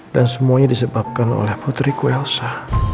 dan semuanya disebabkan oleh putriku elsa